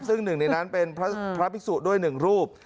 ซึ่งหนึ่งในนั้นเป็นพระพิครรภิกษุด้วยหนึ่งรูป